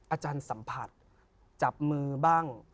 อาจารย์สัมผัสจับมือบ้าง